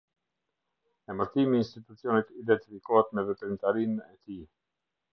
Emërtimi i institucionit identifikohet me veprimtarinë e tij.